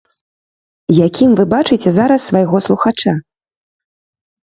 Якім вы бачыце зараз свайго слухача?